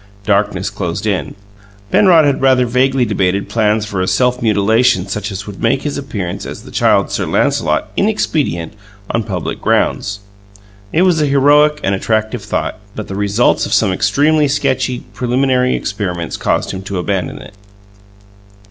Darkness closed in. Penrod had rather vaguely debated plans for a self mutilation such as would make his appearance as the Child Sir Lancelot inexpedient on public grounds; it was a heroic and attractive thought, but the results of some extremely sketchy preliminary experiments caused him to abandon it.